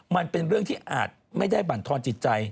มันเป็นเรื่องที่อาจไม่ได้บรรทอนจิตใจ